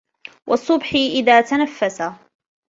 وَالصُّبحِ إِذا تَنَفَّسَ